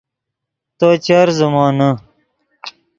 تو چر زیمونے